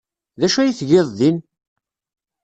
D acu ay tgiḍ din?